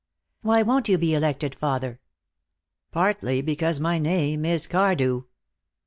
"Why won't you be elected, father?" "Partly because my name is Cardew."